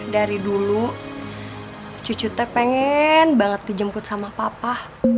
dari dulu cucu teh pengen banget dijemput sama papa